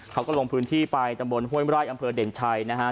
เขาก็ลงพื้นที่ไปตำบลห้วยไร่อำเภอเด่นชัยนะฮะ